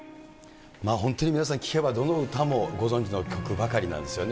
本当に皆さん、聴けばどの歌もご存じの曲ばかりなんですよね。